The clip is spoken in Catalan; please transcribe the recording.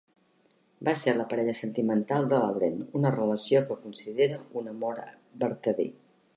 Va ser la parella sentimental de Lauren, una relació que considera un amor vertader.